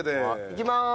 いきます。